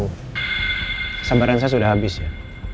kesabaran saya sudah habis ya